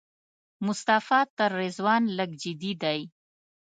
مصطفی تر رضوان لږ جدي دی.